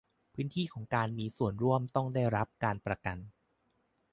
พื้นที่ของการมืส่วนร่วมต้องได้รับประกัน